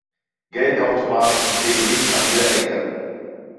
Geldautomaten stehen nicht an jeder Ecke.